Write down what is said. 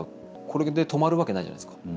これで止まるわけないじゃないですか。